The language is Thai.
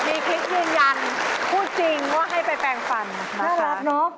บีพลิกยืนยันพูดจริงว่าให้ไปแปลงฟันนะครับ